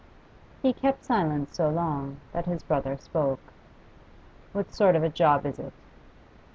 He kept silence so long that his brother spoke. 'What sort of a job is it?